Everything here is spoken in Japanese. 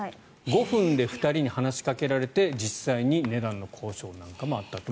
５分で２人に話しかけられて実際に値段の交渉もあった。